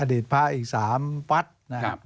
อดีตพระอีกสามพัฒน์